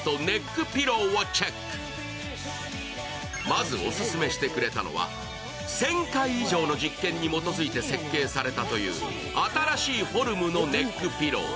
まずオススメしてくれたのは１０００回以上の実験に基づいて設計されたという新しいフォルムのネックピロー。